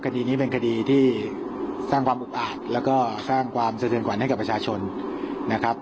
คดีนี้เป็นคดีที่สร้างความอุกอาจแล้วก็สร้างความสะเทือนขวัญให้กับประชาชนนะครับ